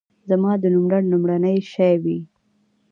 زما د نوملړ لومړنی شی وي.